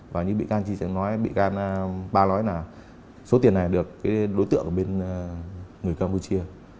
và như bị gan ba nói là số tiền này được đối tượng bên người campuchia